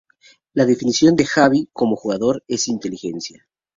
La definición de Xavi como jugador es inteligencia.